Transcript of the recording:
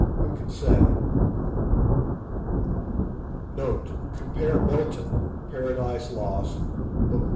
Who can say?" Compare Milton, "Paradise Lost," Book i.